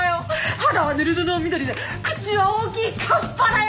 肌はぬるぬるの緑で口は大きい河童だよ！